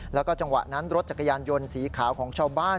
แล้วก็จังหวะนั้นรถจักรยานยนต์สีขาวของชาวบ้าน